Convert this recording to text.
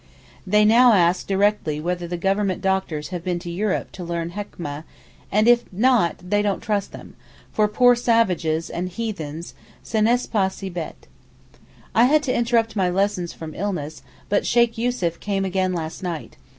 They now ask directly whether the Government doctors have been to Europe to learn Hekmeh, and if not they don't trust them—for poor 'savages' and 'heathens' ce n'est pas si bête. I had to interrupt my lessons from illness, but Sheykh Yussuf came again last night.